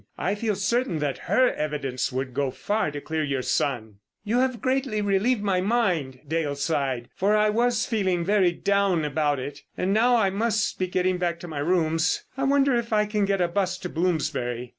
I feel certain that her evidence would go far to clear your son." "You have greatly relieved my mind," Dale sighed, "for I was feeling very down about it; and now I must be getting back to my rooms. I wonder if I can get a 'bus to Bloomsbury?"